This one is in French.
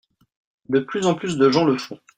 De plus en plus de gens le font.